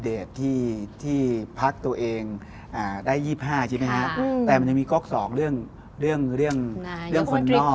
สนใจพักที่น่าจะได้เสียงถึง๒๕เสียง